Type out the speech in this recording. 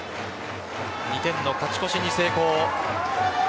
２点の勝ち越しに成功。